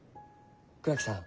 倉木さん